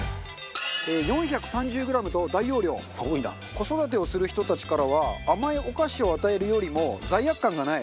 子育てをする人たちからは甘いお菓子を与えるよりも。